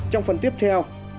trong phần tiếp theo